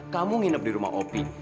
kamu nginep di rumah opi